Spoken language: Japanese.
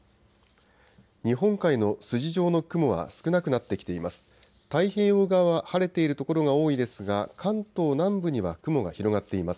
日本海の筋状の雲は少なくなってきています。